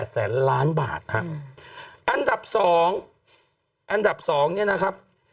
แสนล้านบาทฮะอันดับ๒อันดับ๒เนี่ยนะครับ